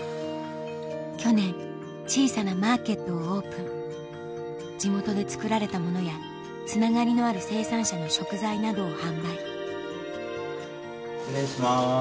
去年小さなマーケットをオープン地元で作られたものやつながりのある生産者の食材などを販売失礼します。